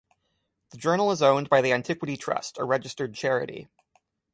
The journal is owned by The Antiquity Trust, a registered charity.